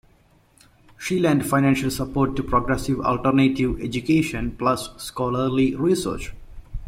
She lent financial support to progressive alternative education plus scholarly research.